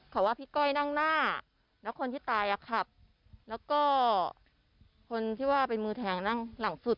เขาว่าพี่ก้อยนั่งหน้าแล้วคนที่ตายอ่ะขับแล้วก็คนที่ว่าเป็นมือแทงนั่งหลังฝึก